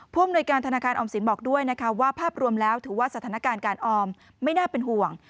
อำนวยการธนาคารออมสินบอกด้วยนะคะว่าภาพรวมแล้วถือว่าสถานการณ์การออมไม่น่าเป็นห่วง